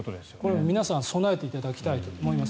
皆さん備えていただきたいと思います。